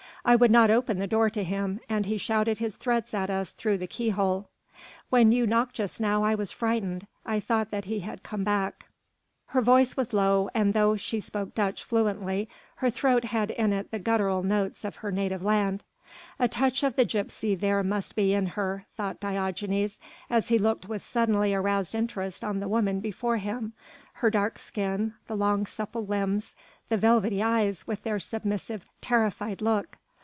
I would not open the door to him, and he shouted his threats at us through the keyhole. When you knocked just now I was frightened. I thought that he had come back." Her voice was low and though she spoke Dutch fluently her throat had in it the guttural notes of her native land. A touch of the gipsy there must be in her, thought Diogenes as he looked with suddenly aroused interest on the woman before him, her dark skin, the long, supple limbs, the velvety eyes with their submissive, terrified look.